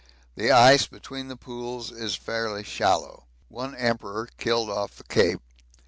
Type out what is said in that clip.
The ice between the pools is fairly shallow. One Emperor killed off the Cape.